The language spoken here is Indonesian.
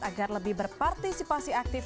agar lebih berpartisipasi aktif